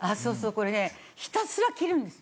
これねひたすら切るんです。